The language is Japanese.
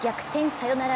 サヨナラ！！